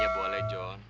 iya boleh jon